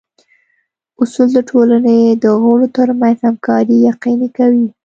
اصول د ټولنې د غړو ترمنځ همکاري یقیني کوي.